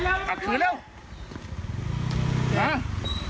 แล้วพี่จะขับรถหนีทำไม